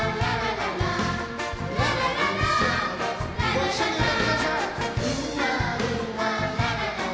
ご一緒に歌ってください！